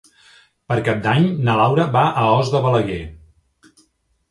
Per Cap d'Any na Laura va a Os de Balaguer.